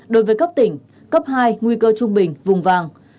đối với cấp tỉnh cấp hai nguy cơ trung bình vùng vàng